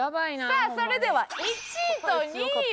さあそれでは１位と２位を。